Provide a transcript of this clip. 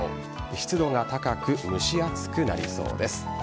湿度が高く蒸し暑くなりそうです。